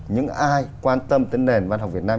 những ai quan tâm tới nền văn học việt nam